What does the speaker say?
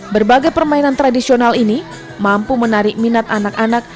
berbagai permainan tradisional ini mampu menarik minat anak anak